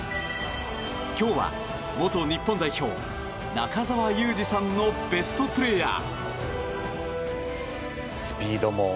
今日は元日本代表中澤佑二さんのベストプレーヤー。